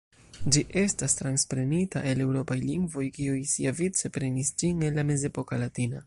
Ĝi estas transprenita el eŭropaj lingvoj, kiuj siavice prenis ĝin el la mezepoka latina.